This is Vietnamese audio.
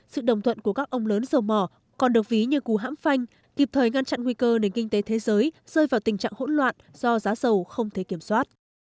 sự đồng thuận của các ông lớn dầu mỏ còn được ví như cú hãm phanh kịp thời ngăn chặn nguy cơ nền kinh tế thế giới rơi vào tình trạng hỗn loạn do giá dầu không thể kiểm soát